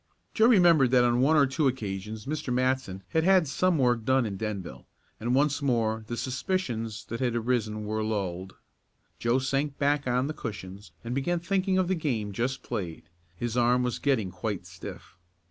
Joe remembered that on one or two occasions Mr. Matson had had some work done in Denville, and once more the suspicions that had arisen were lulled. Joe sank back on the cushions and began thinking of the game just played. His arm was getting quite stiff.